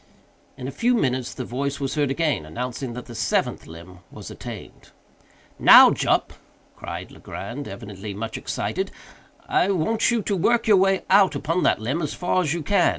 In a few minutes the voice was heard again, announcing that the seventh limb was attained. "Now, Jup," cried Legrand, evidently much excited, "I want you to work your way out upon that limb as far as you can.